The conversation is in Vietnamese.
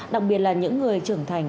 đặc biệt là những người trưởng thành